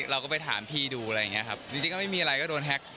เราก็ไปถามพี่ดูอะไรอย่างเงี้ครับจริงก็ไม่มีอะไรก็โดนแฮ็ก